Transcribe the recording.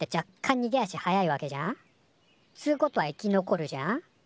にげ足早いわけじゃん？つうことは生き残るじゃん？